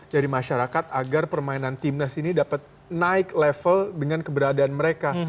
dari masyarakat agar permainan timnas ini dapat naik level dengan keberadaan mereka